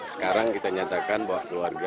sekarang kita nyatakan bahwa keluarga